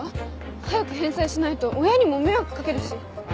早く返済しないと親にも迷惑かけるし。